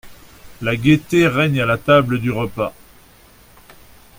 La gaîté règne à la table du repas.